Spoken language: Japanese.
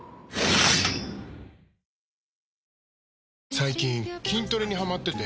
最近筋トレにハマってて。